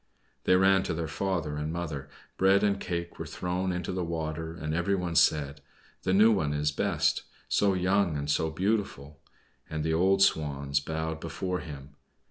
They ran to their father and mother, bread and cake were thrown into the water, and every one said: "The new one is best, so young and so beautiful!" And the old Swans bowed before him.